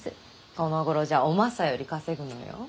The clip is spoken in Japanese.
このごろじゃおマサより稼ぐのよ。